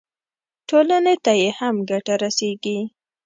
ټولنې ته یې هم ګټه رسېږي.